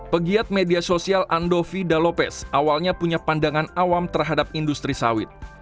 pegiat media sosial andovi dalopes awalnya punya pandangan awam terhadap industri sawit